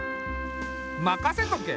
任せとけ。